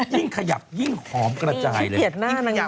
ยิ่งขยับยิ่งหอมกระจายเลย